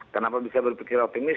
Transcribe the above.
kenapa bisa berpikir optimis